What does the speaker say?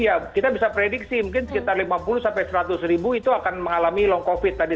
ya kita bisa prediksi mungkin sekitar lima puluh sampai seratus ribu itu akan mengalami long covid tadi